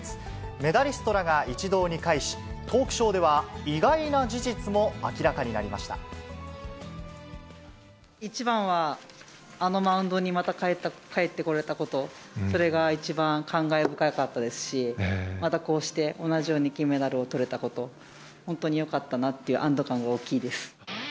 メダリストらが一堂に会し、トークショーでは、意外な事実も一番は、あのマウンドにまた帰ってこれたこと、それが一番感慨深かったですし、またこうして、同じように金メダルをとれたこと、本当によかったなという安ど感が大きいです。